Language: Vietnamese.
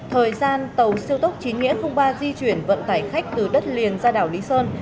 thời gian tàu siêu tốc chín nghĩa ba di chuyển vận tải khách từ đất liền ra đảo lý sơn